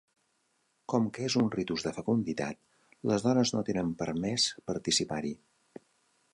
Com que és un ritus de fecunditat, les dones no tenen permès participar-hi.